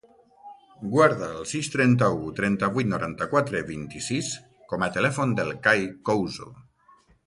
Guarda el sis, trenta-u, trenta-vuit, noranta-quatre, vint-i-sis com a telèfon del Kai Couso.